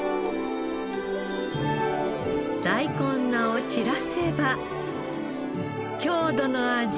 大根菜を散らせば郷土の味